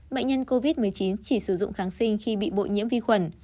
bệnh nhân covid một mươi chín chỉ sử dụng kháng sinh khi bị bội nhiễm vi khuẩn